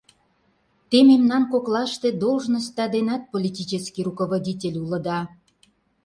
Те мемнан коклаште должностьда денат политический руководитель улыда.